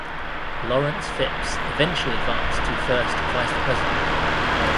Lawrence Phipps eventually advanced to first vice president.